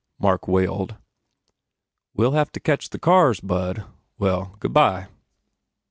Mark wailed. "We ll have to catch the cars, Bud. Well, goo bye."